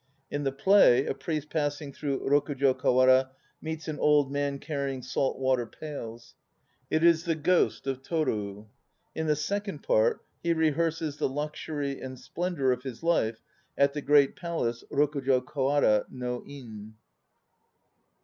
In the play a priest passing through Rokujo kawara meets an old man carrying salt water pails. It is the ghost of Toru. In t! . second part he rehearses the luxury and splendour of his life at the great palace Rokujo kawara no In.